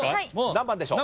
何番でしょう？